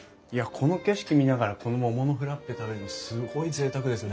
この景色見ながらこの桃のフラッペ食べるのすごいぜいたくですね。